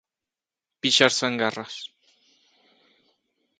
Pixar-se en garres.